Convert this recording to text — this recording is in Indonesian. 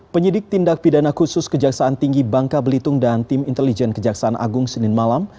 penyidik tindak pidana khusus kejaksaan tinggi bangka belitung dan tim intelijen kejaksaan agung senin malam